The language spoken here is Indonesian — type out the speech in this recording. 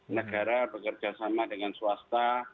negara bekerja sama dengan swasta